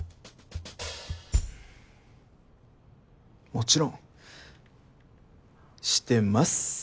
もちろんしてます。